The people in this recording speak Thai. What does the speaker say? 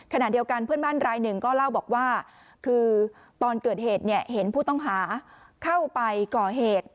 ขณะเดียวกันเพื่อนบ้านรายหนึ่งก็เล่าบอกว่าคือตอนเกิดเหตุเห็นผู้ต้องหาเข้าไปก่อเหตุ